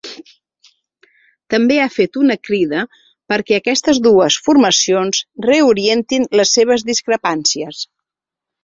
També ha fet una crida perquè aquestes dues formacions reorientin les seves discrepàncies.